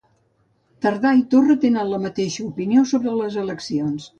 Tardà i Torra tenen la mateixa opinió sobre les eleccions